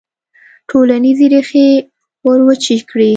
ټولنیزې ریښې وروچې کړي.